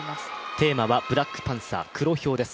テーマはブラックパンサー、黒豹です。